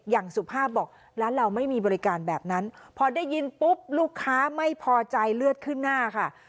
อย่างสุภาพบอกร้านเราไม่มีบริการแบบนั้นพอได้ยินปุ๊บลูกค้าไม่พอใจเลือดขึ้นหน้าค่ะ